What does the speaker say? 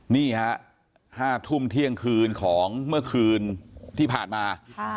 นี่ฮะ๕ทุ่มเที่ยงคืนของเมื่อคืนที่ผ่านมา